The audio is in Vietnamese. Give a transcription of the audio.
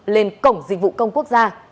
lên cổng dịch vụ công quốc gia